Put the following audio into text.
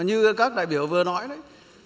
như các đại biểu vừa nói đấy